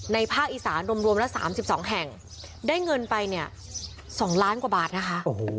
ภาคอีสานรวมละ๓๒แห่งได้เงินไปเนี่ย๒ล้านกว่าบาทนะคะ